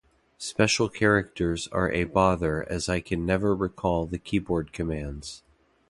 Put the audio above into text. Special characters are a bother as I can never recall the keyboard commands.